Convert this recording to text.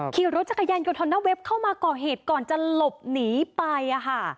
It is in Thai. เขียนรถจักรยานอยู่ทรณะเวฟเข้ามาก่อเหตุก่อนจะหลบหนีไปอ่าฮะ